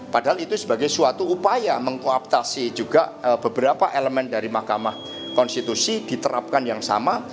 padahal itu sebagai suatu upaya mengkooptasi juga beberapa elemen dari mahkamah konstitusi diterapkan yang sama